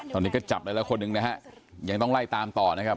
ตอนนี้ก็จับได้แล้วคนหนึ่งนะฮะยังต้องไล่ตามต่อนะครับ